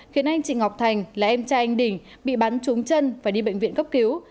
khiến anh chị ngọc thành là em trai anh đình bị bắn trúng chân phải đi bệnh viện cấp cứu